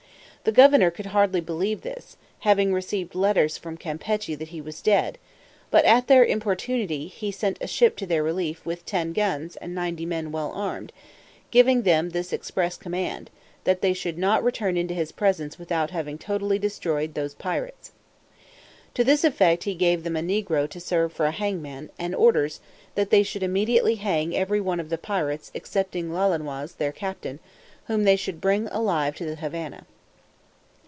The governor could very hardly believe this, having received letters from Campechy that he was dead: but, at their importunity, he sent a ship to their relief, with ten guns, and ninety men, well armed; giving them this express command, "that they should not return into his presence without having totally destroyed those pirates." To this effect he gave them a negro to serve for a hangman, and orders, "that they should immediately hang every one of the pirates, excepting Lolonois, their captain, whom they should bring alive to the Havannah."